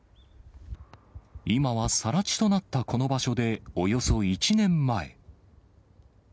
今はさら地となったこの場所でおよそ１年前。